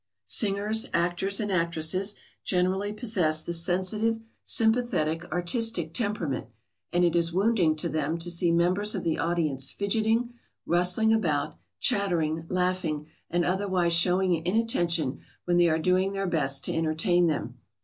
] Singers, actors, and actresses generally possess the sensitive, sympathetic, artistic temperament, and it is wounding to them to see members of the audience fidgeting, rustling about, chattering, laughing, and otherwise showing inattention when they are doing their best to entertain them.